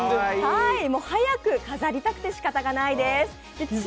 早く飾りたくてしかたがないです。